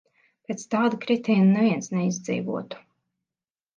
Pēc tāda kritiena neviens neizdzīvotu.